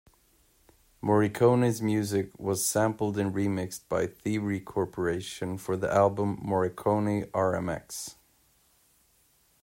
Morricone's music was sampled and remixed by Thievery Corporation for the album "Morricone Rmx".